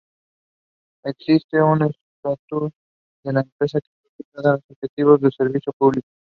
Existe un estatuto de la empresa que fija los objetivos de servicio público.